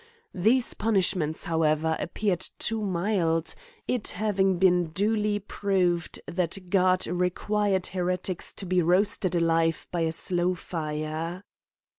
These punishments, however, appeared too miid ; it having been duly proved, that God required heretics to be roasted alive by a slow fire.